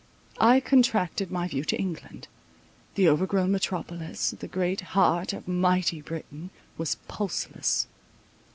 I contracted my view to England. The overgrown metropolis, the great heart of mighty Britain, was pulseless.